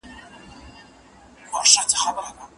آیا بوډاتوب تر ځوانۍ کمزوری دی؟